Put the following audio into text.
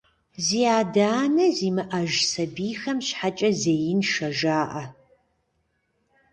Зи адэ-анэ зимыӏэж сабийхэм щхьэкӏэ зеиншэ жаӏэ.